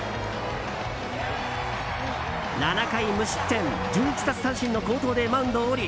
７回無失点１１奪三振の好投でマウンドを降り